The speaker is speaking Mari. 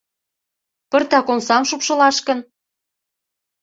Пыртак омсам шупшылаш гын?